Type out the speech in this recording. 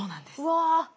うわ。